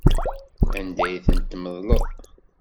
Anda ay tent-tmeḍleḍ?